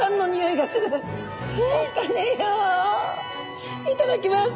いただきます。